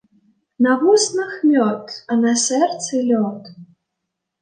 На вуснах — мёд, а на сэрцы — лёд